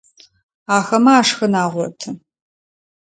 Ахэмэ ашхын агъоты.